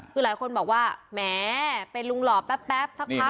คือหลายคนบอกว่าแหมเป็นลุงหล่อแป๊บสักพัก